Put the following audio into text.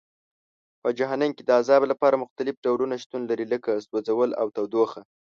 په جهنم کې د عذاب لپاره مختلف ډولونه شتون لري لکه سوځول او تودوخه.